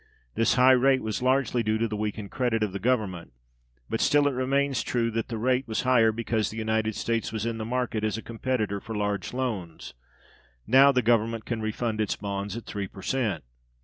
This high rate was largely due to the weakened credit of the Government; but still it remains true that the rate was higher because the United States was in the market as a competitor for large loans. Now the Government can refund its bonds at three per cent.